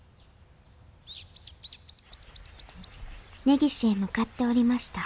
根岸へ向かっておりました。